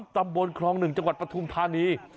ตำบลคลอง๑จังหวัดปฐุมธานี